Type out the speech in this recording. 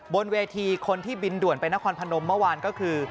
บนเวทีคนที่บินด่วนไปนครพนมเมื่อวานก็คือ